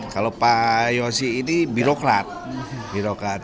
kalau pak yosi ini birokrat